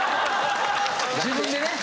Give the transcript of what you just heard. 自分でね